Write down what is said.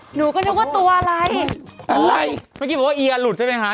หนูก็นึกว่าตัวอะไรอะไรเมื่อกี้บอกว่าเอียหลุดใช่ไหมคะ